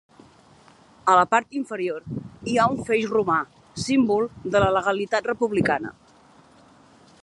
A la part inferior hi ha un feix romà, símbol de la legalitat republicana.